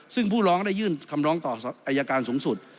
ซึ่งผู้ร้องได้ยื่นคำร้องต่ออายการสูงสุด